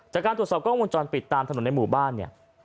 จากการตรวจสอบกล้องวงจรปิดตามถนนในหมู่บ้านเนี่ย